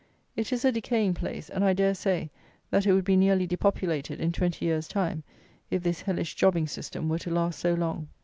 It is a decaying place; and, I dare say, that it would be nearly depopulated, in twenty years' time, if this hellish jobbing system were to last so long.